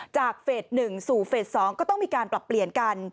เฟส๑สู่เฟส๒ก็ต้องมีการปรับเปลี่ยนกัน